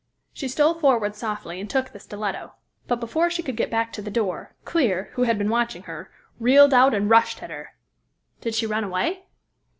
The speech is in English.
She stole forward softly and took the stiletto, but before she could get back to the door, Clear, who had been watching her, reeled out and rushed at her." "Did she run away?"